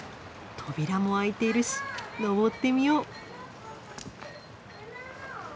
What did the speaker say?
扉も開いているし上ってみよう。